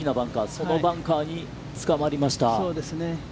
そのバンカーにつかまりました。